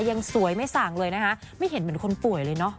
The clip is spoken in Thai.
ยังสวยไม่สั่งเลยนะคะไม่เห็นเหมือนคนป่วยเลยเนอะ